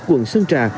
quận sơn trà